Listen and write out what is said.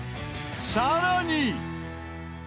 さらに。